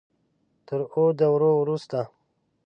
تر اوو دورو وروسته.